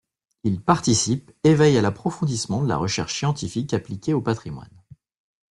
Ils participent et veillent à l'approfondissement de la recherche scientifique appliquée au patrimoine.